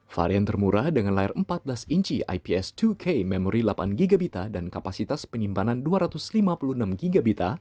varian termurah dengan layar empat belas inci ips dua k memori delapan gb dan kapasitas penyimpanan dua ratus lima puluh enam gb